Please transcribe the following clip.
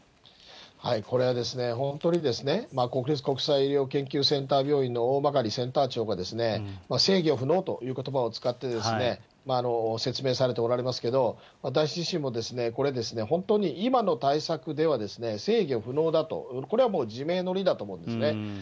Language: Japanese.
これはですね、本当に国立国際医療研究センター病院の大曲センター長が制御不能ということばを使ってですね、説明されておられますけれども、私自身もこれですね、本当に今の対策では制御不能だと、これは自明の理だと思うんですね。